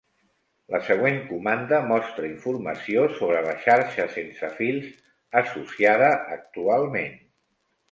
La següent comanda mostra informació sobre la xarxa sense fils associada actualment.